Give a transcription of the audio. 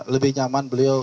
lebih nyaman beliau